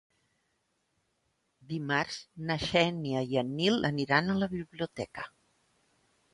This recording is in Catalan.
Dimarts na Xènia i en Nil aniran a la biblioteca.